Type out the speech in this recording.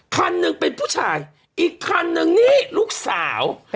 คันหนึ่งเป็นผู้ชายอีกคันนึงนี่ลูกสาว